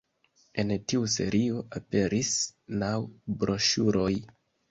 En tiu serio aperis naŭ broŝuroj.